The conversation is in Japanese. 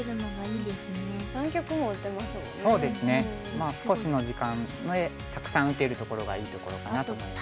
まあ少しの時間でたくさん打てるところがいいところかなと思います。